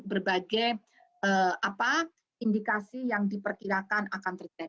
berbagai indikasi yang diperkirakan akan terjadi